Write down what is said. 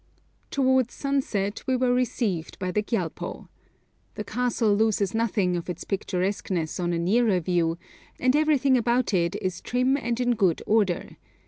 Towards sunset we were received by the Gyalpo. The castle loses nothing of its picturesqueness on a nearer view, and everything about it is trim and in good order.